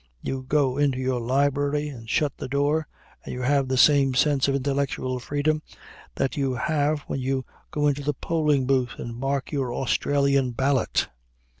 You go into your library and shut the door, and you have the same sense of intellectual freedom that you have when you go into the polling booth and mark your Australian ballot.